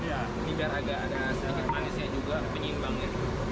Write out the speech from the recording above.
agar ada sedikit manisnya juga penyimbangnya